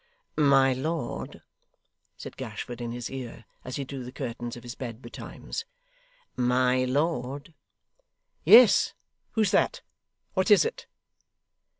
'My lord,' said Gashford in his ear, as he drew the curtains of his bed betimes; 'my lord!' 'Yes who's that? What is it?